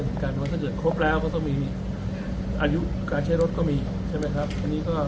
ด้วยกันว่าถ้าเกิดครบแล้วก็ต้องมีอายุการใช้รถก็มีใช่ไหมครับอันนี้ก็